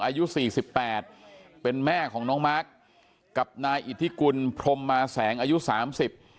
อายุสี่สิบแปดเป็นแม่ของน้องมาร์คกับนายอิทธิกุลพรมมาแสงอายุสามสิบ